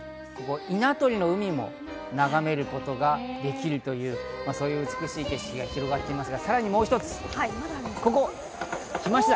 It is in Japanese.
稲取の海も眺めることができる、そういう美しい景色が広がっていますが、さらにもう一つ、ここ、来ました！